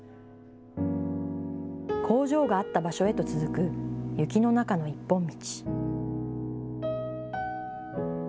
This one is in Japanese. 工場があった場所へと続く雪の中の一本道。